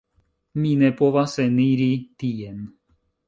Mi ne povas eniri tien